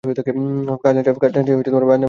খাজনার চেয়ে বাজনা বেশি।